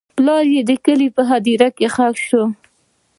پلار یې د کلي په هدیره کې ښخ شو.